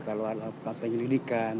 kalau ada penyelidikan